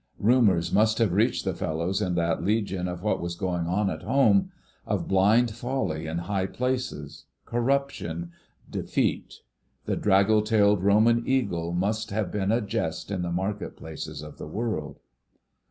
Rumours must have reached the fellows in that Legion of what was going on at Home: of blind folly in high places—corruption: defeat. The draggle tailed Roman Eagle must have been a jest in the market places of the world."